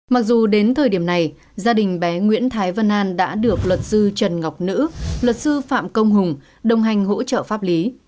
mặc dù đến thời điểm này gia đình bé nguyễn thái văn an đã được luật sư trần ngọc nữ luật sư phạm công hùng đồng hành hỗ trợ pháp lý